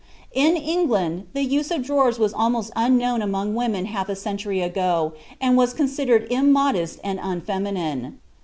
In England, the use of drawers was almost unknown among women half a century ago, and was considered immodest and unfeminine.